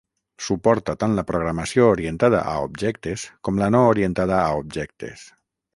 Suporta tant la programació orientada a objectes com la no orientada a objectes.